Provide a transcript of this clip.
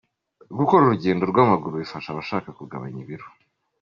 Gukora urugendo rw’amaguru bifasha abashaka kugabanya ibiro